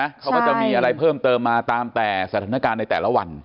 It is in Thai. เขาก็จะมีอะไรเพิ่มเติมมาตามแต่สถานการณ์ในแต่ละวัน